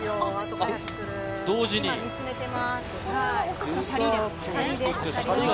これもお寿司のシャリですね。